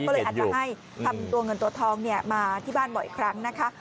ก็เลยอาจจะให้ทำตัวเงินตัวทองมาที่บ้านบ่อยครั้งนะคะ